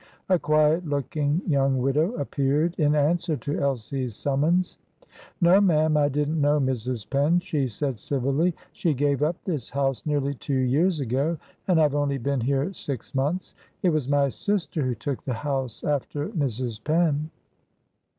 A quiet looking young widow appeared in answer to Elsie's summons. "No, ma'am, I didn't know Mrs. Penn," she said civilly. "She gave up this house nearly two years ago, and I've only been here six months. It was my sister who took the house after Mrs. Penn."